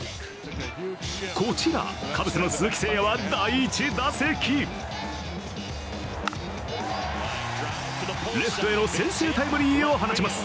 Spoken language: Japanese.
こちら、カブスの鈴木誠也は第１打席レフトへの先制タイムリーを放ちます。